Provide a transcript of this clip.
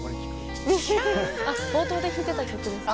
冒頭で弾いてた曲ですか？